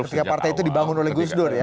ketika partai itu dibangun oleh gusdur ya